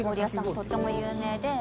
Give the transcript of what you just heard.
とっても有名で。